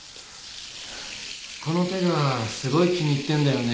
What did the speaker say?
この手がすごい気に入ってるんだよね